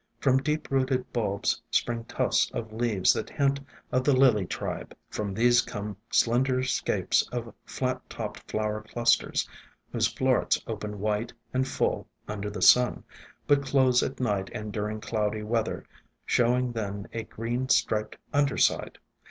From deep rooted bulbs spring tufts of leaves that hint of the Lily tribe ; from these come slender scapes of flat topped flower clusters, whose florets open white and full under the sun, but close at night and during cloudy weather, showing then a green striped under side.